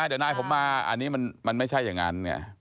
เดี๋ยวนายผมมาอันนี้มันไม่ใช่อย่างนั้นไง